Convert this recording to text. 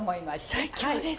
最強です。